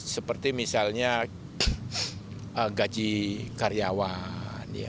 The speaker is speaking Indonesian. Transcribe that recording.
seperti misalnya gaji karyawan